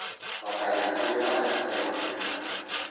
با قدمهای آهسته راه میرفت.